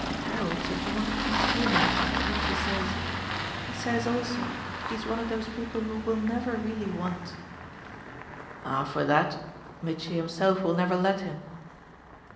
Harold's a born consumer, as Mitchy says; he says also he's one of those people who will never really want." "Ah for that, Mitchy himself will never let him."